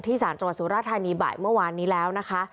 สารจังหวัดสุราธานีบ่ายเมื่อวานนี้แล้วนะคะ